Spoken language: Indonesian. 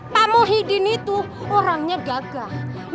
pak muhyiddin itu orangnya gagah